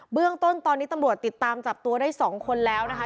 เรื่องต้นตอนนี้ตำรวจติดตามจับตัวได้๒คนแล้วนะคะ